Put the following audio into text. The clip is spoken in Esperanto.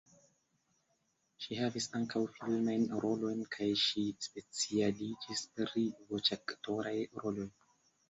Ŝi havis ankaŭ filmajn rolojn kaj ŝi specialiĝis pri voĉaktoraj roloj.